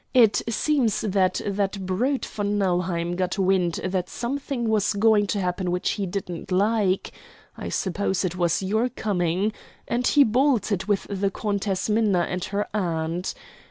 It seems that that brute von Nauheim got wind that something was going to happen which he didn't like I suppose it was your coming and he bolted with the Countess Minna and her aunt.